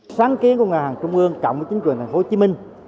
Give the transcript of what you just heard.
sáng kiến của ngân hàng trung ương cộng với chính quyền thành phố hồ chí minh